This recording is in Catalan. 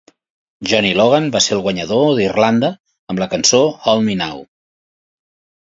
Johnny Logan va ser el guanyador d'Irlanda amb la cançó "Hold Me Now".